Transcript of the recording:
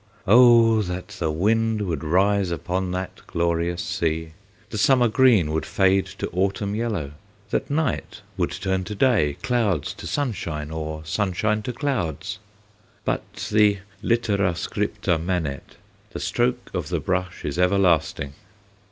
"Oh, that the wind would rise upon that glorious sea; the summer green would fade to autumn yellow; that night would turn to day, clouds to sunshine, or sunshine to clouds." But the littera scripta manet the stroke of the brush is everlasting.